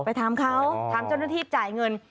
ไปถามเขาถามเจ้าหน้าที่จ่ายเงิน